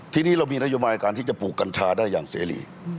ทีนี้เรามีนโยบายการที่จะปลูกกัญชาได้อย่างเสรี